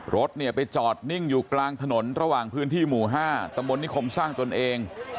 รถเนี่ยไปจอดนิ่งอยู่กลางถนนระหว่างพื้นที่หมู่๕ตำบลนิคมสร้างตนเอง